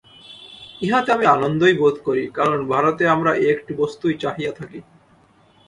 ইহাতে আমি আনন্দই বোধ করি, কারণ ভারতে আমরা এই একটি বস্তুই চাহিয়া থাকি।